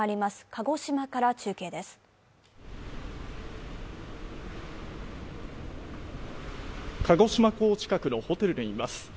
鹿児島港近くのホテルにいます。